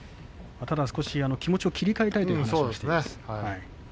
気持ちを切り替えたいという話をしていますね。